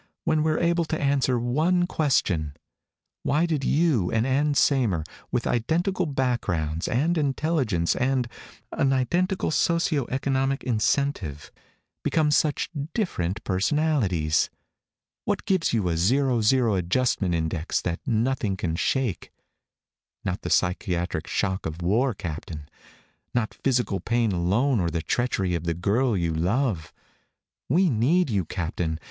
When we're able to answer one question: why did you and Ann Saymer, with identical backgrounds, and intelligence, and an identical socio economic incentive, become such different personalities? What gives you a zero zero adjustment index that nothing can shake? Not the psychiatric shock of war, Captain. Not physical pain alone or the treachery of the girl you love. We need you, Captain.